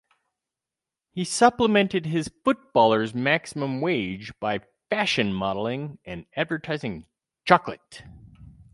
He supplemented his footballer's maximum wage by fashion modelling and advertising chocolate.